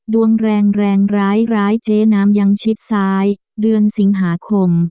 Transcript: ดวงแรงแรงร้ายเจ๊น้ำยังชิดซ้ายเดือนสิงหาคม